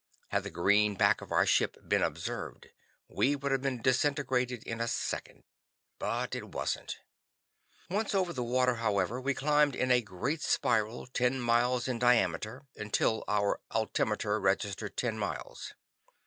Had the green back of our ship been observed, we would have been disintegrated in a second. But it wasn't. Once over the water, however, we climbed in a great spiral, ten miles in diameter, until our altimeter registered ten miles.